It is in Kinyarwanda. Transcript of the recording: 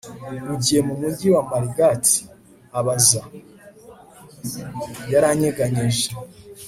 ugiye mu mujyi wa marigat? abaza. yaranyeganyeje